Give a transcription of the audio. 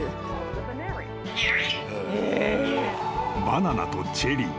［バナナとチェリー。